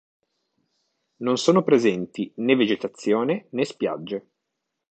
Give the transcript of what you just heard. Non sono presenti né vegetazione né spiagge.